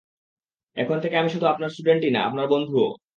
এখন থেকে আমি শুধু আপনার স্টুডেন্টই না আপনার বন্ধুও।